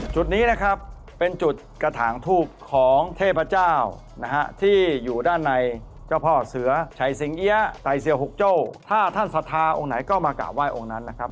จุดนี้นะครับเป็นจุดกระถางทูบของเทพเจ้านะฮะที่อยู่ด้านในเจ้าพ่อเสือชัยสิงเอี๊ยะไต่เสือหกโจ้ถ้าท่านศรัทธาองค์ไหนก็มากราบไห้องค์นั้นนะครับ